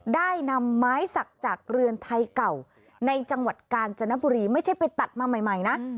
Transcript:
ได้นำไม้สักจากเรือนไทยเก่าในจังหวัดกาญจนบุรีไม่ใช่ไปตัดมาใหม่นะ